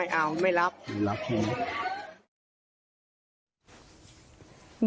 ไม่เอาไม่รับไม่รับที่เงียด